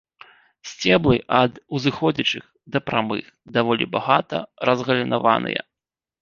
Сцеблы ад узыходзячых да прамых, даволі багата разгалінаваныя.